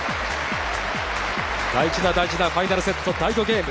大事な大事なファイナルセット、第５ゲーム。